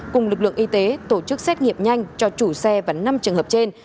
cùng lực lượng y tế tổ chức xét nghiệm nhanh cho chủ xe và năm trường hợp trên